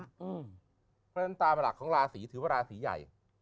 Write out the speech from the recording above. เพราะฉะนั้นตามหลักของราศีถือว่าราศีใหญ่